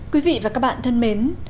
quý vị và các bạn thân mến